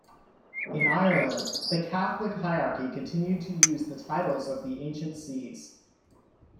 In Ireland, the Catholic hierarchy continued to use the titles of the ancient sees.